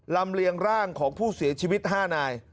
เลียงร่างของผู้เสียชีวิต๕นาย